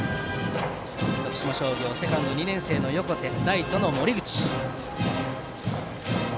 徳島商業セカンド、２年生の横手ライトの森口の守備でした。